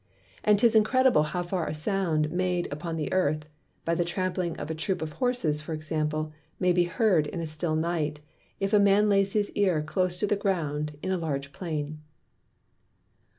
And 'tis incredible how far a Sound made upon the Earth (by the trampling of a Troop of Horses, for Example) may be heard in a still Night, if a Man lays his Ear close to the Ground in a large Plain.